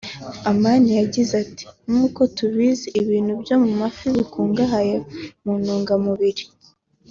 Amani yagize ati “ Nkuko tubizi ibintu byo mu mafi bikungahaye mu ntungamubiri